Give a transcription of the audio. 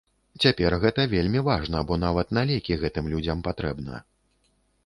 Цяпер гэта вельмі важна, бо нават на лекі гэтым людзям патрэбна.